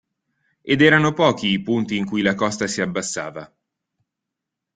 Ed erano pochi i punti in cui la costa si abbassava.